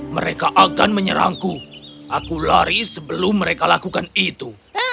mereka akan menyerangku aku lari sebelum mereka lakukan itu